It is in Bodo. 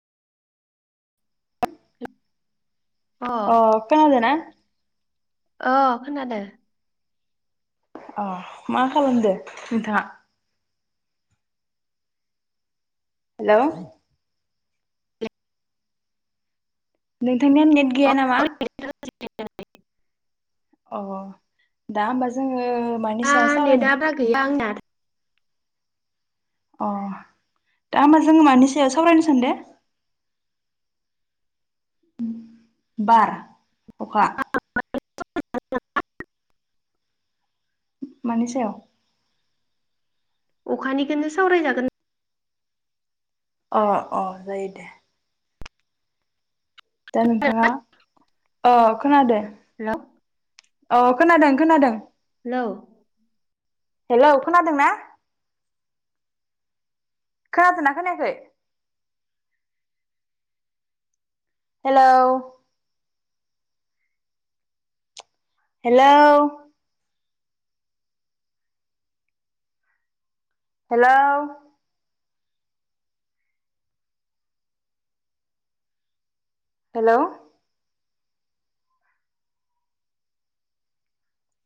[unintelligible] [unintelligible] अ खोनादोंना? अ खोनादों। अह मा खालामदो नोंथाङा? हेलौ नोंथांनिया नेट गैया नामा? [unintelligible] अह दा होमबा जोङो मानि दा सावरायनो? नेटआ बारा गैया आंना। अ दा होमबा जोङो मानिसो सावरायनो सानदों? बार अखा। मानि सयाव अखानिखोनो सावरायजागोन। अ अ जायो दे। दा नोंथाङा अ खोनादो। हेलौ अ खोनादों खोनादों। हेलौ। हेलौ खोनादों ना? खोनादोंना खोनायाखै? Hello hello hello hello.